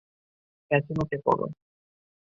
পেছনে উঠে পড়।